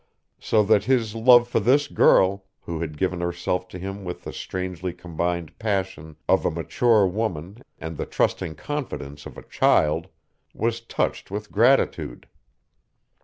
So that his love for this girl, who had given herself to him with the strangely combined passion of a mature woman and the trusting confidence of a child, was touched with gratitude.